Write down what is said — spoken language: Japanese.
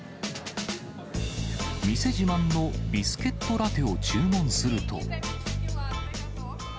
店自慢のビスケット・ラテを注文すると。